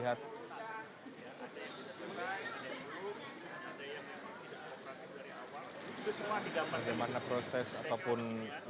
dan ada satu saat nanti saya kira saya akan